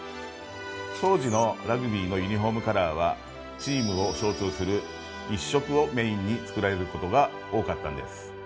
当時のラグビーのユニフォームカラーはチームを象徴する１色をメインに作られることが多かったんです。